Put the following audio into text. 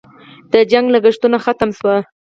د جنګ لګښتونه ختم شوي؟